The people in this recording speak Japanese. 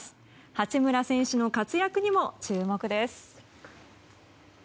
八村選手の活躍にも注目です。